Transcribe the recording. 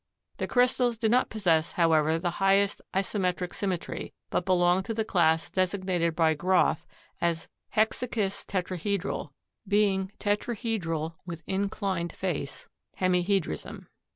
The crystals do not possess, however, the highest isometric symmetry, but belong to the class designated by Groth as hexakistetrahedral, being tetrahedral with inclined face hemihedrism.